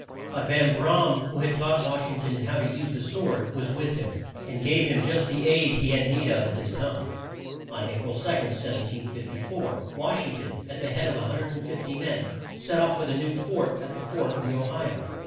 But Van Bra am, who had taught Wash ing ton how to use the sword, was with him, and gave him just the aid he had need of at this time. On A pril 2, 1754, Wash ing ton, at the head of 150 men, set off for the new fort at the Fork of the O hi o.